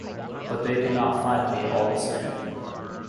But they did not find me all the same.